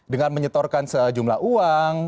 dengan menyetorkan sejumlah uang